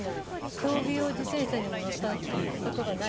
・競技用自転車にも乗ったことがない